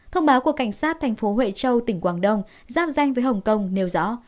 thông báo của cảnh sát thành phố huệ châu tỉnh quảng đông giáp danh với hồng kông nêu rõ